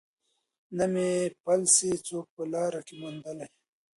نه مي پل سي څوک په لاره کي میندلای